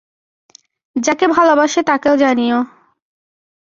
যাকে ভালোবাস তাকেও জানি।